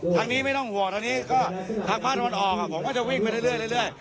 ทางนี้ไม่ต้องห่วงทางนี้ก็ทางภาคตะวันออกผมก็จะวิ่งไปเรื่อย